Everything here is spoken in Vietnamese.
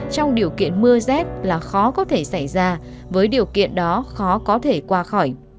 trong điều kiện mưa rét là khó có thể xảy ra với điều kiện đó khó có thể qua khỏi